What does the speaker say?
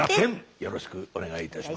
よろしくお願いします。